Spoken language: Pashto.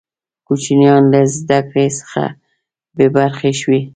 کوچنیان له زده کړي څخه بې برخې شوې.